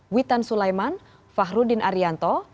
witan sulaiman fahruddin arianto